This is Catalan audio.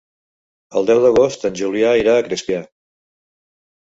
El deu d'agost en Julià irà a Crespià.